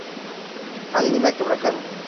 Adivina que, fracasan.